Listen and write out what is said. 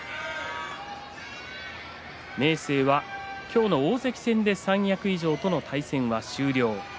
明生は今日の大関戦で三役以上との対戦が終了します。